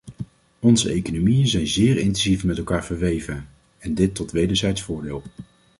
Onze economieën zijn zeer intensief met elkaar verweven, en dit tot wederzijds voordeel.